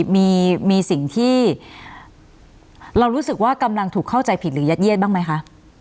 มีสิ่งที่เรารู้สึกว่ากำลังถูกเข้าใจผิดหรือยัดเยียดบ้างไหมคะ